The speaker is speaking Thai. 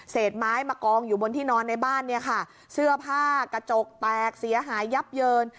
ไม้มากองอยู่บนที่นอนในบ้านเนี่ยค่ะเสื้อผ้ากระจกแตกเสียหายยับเยิน